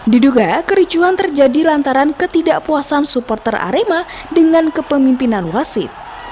diduga kericuhan terjadi lantaran ketidakpuasan supporter arema dengan kepemimpinan wasit